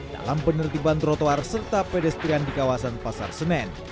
dalam penertiban trotoar serta pedestrian di kawasan pasar senen